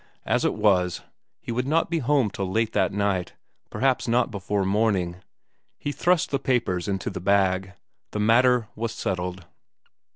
As it was, he would not be home till late that night, perhaps not before morning. He thrust the papers into the bag; the matter was settled.